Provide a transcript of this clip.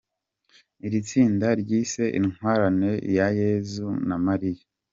Iri tsinda ryiyise Intwarane za Yezu na Maria.